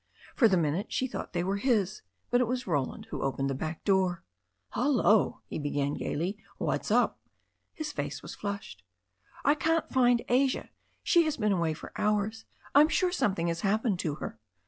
For the minute she thought they were his, but it was Roland who opened the back door. THE STORY OF A NEW ZEALAND RIVER 119 "Hullo !" he began gaily. "What's up ?" His face was flushed. "I can't find Asia. She has been away for hours. I'm sure something has happened to her."